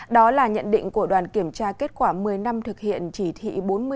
đó là nhận định của đoàn kiểm tra kết quả một mươi năm thực hiện chỉ thị bốn mươi